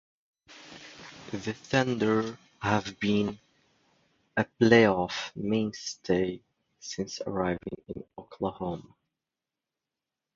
The Thunder have been a playoff mainstay since arriving in Oklahoma.